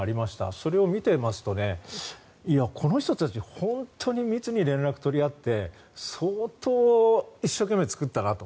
それを見てますと、この人たち本当に密に連絡を取り合って相当、一生懸命作ったなと。